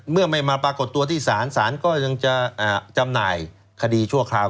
เมื่อไม่มาปรากฏตัวที่ศาลศาลก็ยังจะจำหน่ายคดีชั่วคราว